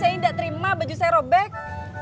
saya tidak terima baju saya robek